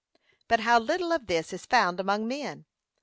But how little of this is found among men?